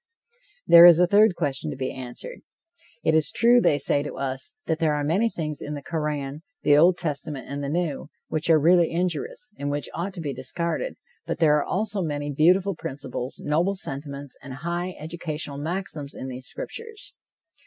There is a third question to be answered: It is true, they say to us, that there are many things in the Koran, the Old Testament and the New, which are really injurious, and which ought to be discarded, but there are also many beautiful principles, noble sentiments and high educational maxims in these scriptures.